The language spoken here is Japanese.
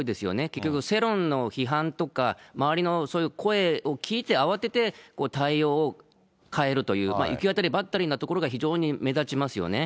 結局、世論の批判とか、周りのそういう声を聞いて、慌てて対応を変えるという、行き当たりばったりなところが非常に目立ちますよね。